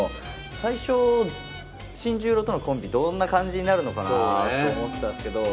最初新十郎とのコンビどんな感じになるのかなあって思ったんすけど。